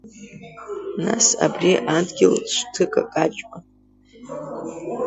Нас абри адгьыл шәҭыкакаҷма?